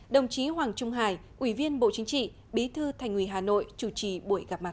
đồng chí hoàng trung hải ủy viên bộ chính trị bí thư thành ủy hà nội chủ trì buổi gặp mặt